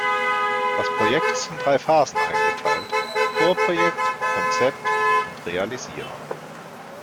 Das Projekt ist in drei Phasen eingeteilt: Vorprojekt, Konzept und Realisierung.